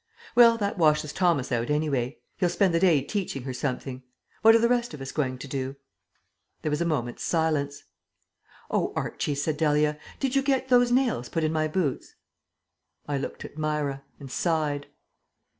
"Well, that washes Thomas out, anyway. He'll spend the day teaching her something. What are the rest of us going to do?" There was a moment's silence. "Oh, Archie," said Dahlia, "did you get those nails put in my boots?" I looked at Myra ... and sighed.